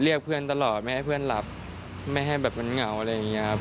เรียกเพื่อนตลอดไม่ให้เพื่อนหลับไม่ให้แบบมันเหงาอะไรอย่างนี้ครับ